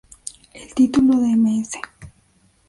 El título de "Ms.